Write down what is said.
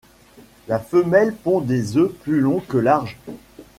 La femelle ponds des œufs plus long que large.